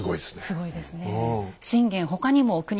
すごいですね。